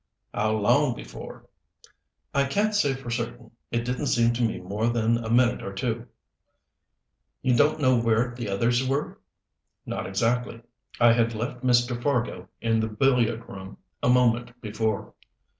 "How long before?" "I can't say for certain. It didn't seem to me more than a minute or two." "You don't know where the others were?" "Not exactly. I had left Mr. Fargo in the billiard room a moment before.